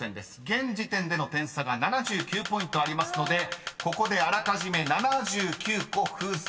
［現時点での点差が７９ポイントありますのでここであらかじめ７９個風船を割ります］